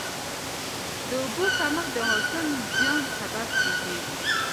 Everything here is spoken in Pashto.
د اوبو کمښت د حاصل زیان سبب کېږي.